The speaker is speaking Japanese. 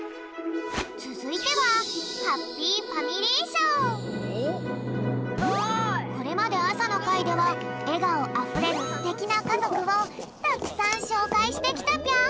つづいてはこれまであさのかいではえがおあふれるステキなかぞくをたくさんしょうかいしてきたぴょん。